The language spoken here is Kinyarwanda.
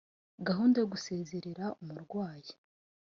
Gahunda yo gusezerera umurwayi